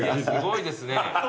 すごいですね。